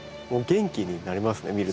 もう元気になりますね